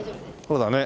そうだね。